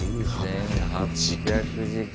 １，８００時間。